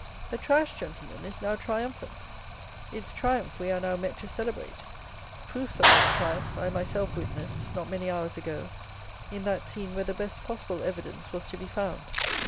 The Trash, Gentlemen, is now triumphant; its triumph we are now met to celebrate; proofs of its triumph I myself witnessed not many hours ago, in that scene where the best possible evidence was to be found.